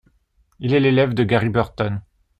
Il y est l'élève de Gary Burton.